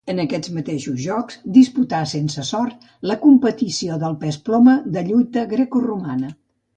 En aquests mateixos Jocs disputà, sense sort, la competició del pes ploma de lluita grecoromana.